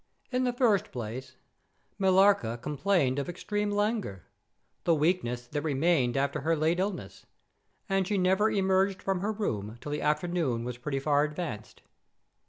In the first place, Millarca complained of extreme languor—the weakness that remained after her late illness—and she never emerged from her room till the afternoon was pretty far advanced.